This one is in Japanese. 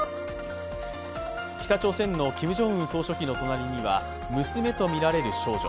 北朝鮮のキム・ジョンウン総書記の隣には娘とみられる少女。